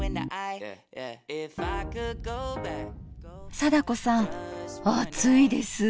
貞子さん暑いです！